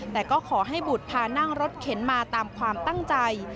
แต่ก็ขอให้บุตรพานั่งรถเข็นมาตามความตั้งใจ